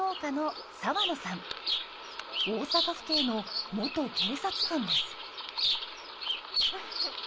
大阪府警の元警察官です。